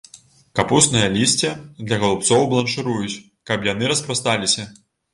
Капуснае лісце для галубцоў бланшыруюць, каб яны распрасталіся.